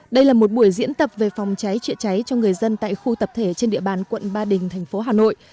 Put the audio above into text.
đây là một buổi diễn tập về phòng cháy chữa cháy cho người dân tại khu tập thể trên địa bàn quận ba đình thành phố hà nội